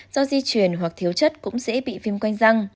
do di chuyển hoặc thiếu chất cũng dễ bị viêm quanh răng